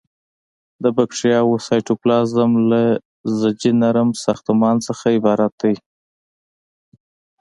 د باکتریاوو سایتوپلازم له لزجي نرم ساختمان څخه عبارت دی.